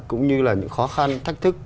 cũng như là những khó khăn thách thức